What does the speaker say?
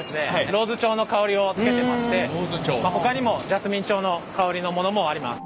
ローズ調の香りをつけてましてほかにもジャスミン調の香りのものもあります。